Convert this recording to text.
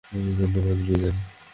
ধন্যবাদ, বিদায়।